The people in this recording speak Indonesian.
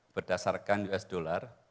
berdasarkan us dollar